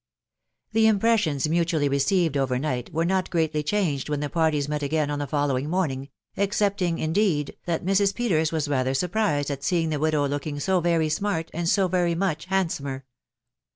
Tax inrpressions mutually received over night were not greatly changed when the parties wet again on the following morning, excepting, indeed, that Mr. Peters was rather surprised at seeing the widow looking so very smart, and so verf modi handsomer.